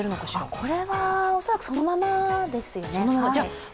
これは恐らくそのままですね。